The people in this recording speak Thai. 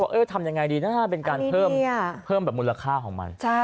ว่าทำอย่างไรดีเป็นการเพิ่มมูลค่าของมัน